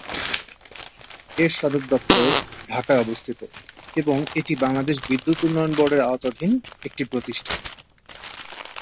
এর সদরদপ্তর ঢাকায় অবস্থিত এবং এটি বাংলাদেশ বিদ্যুৎ উন্নয়ন বোর্ডের আওতাধীন একটি প্রতিষ্ঠান।